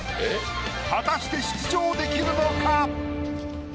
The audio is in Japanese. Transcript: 果たして出場できるのか？